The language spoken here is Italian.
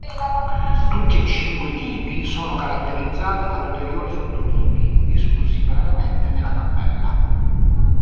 Tutti e cinque i tipi sono caratterizzati da ulteriori sottotipi, discussi brevemente nella tabella.